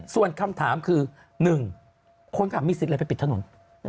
ส่วนคำถามคือ๑คนขับมีสิทธิ์อะไรไปปิดถนน